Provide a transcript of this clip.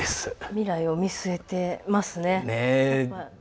未来を見据えてますね。